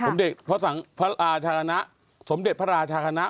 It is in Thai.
สมเด็จพระราชกณะสมเด็จพระราชกณะ